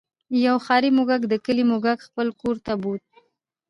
یو ښاري موږک د کلي موږک خپل کور ته بوت.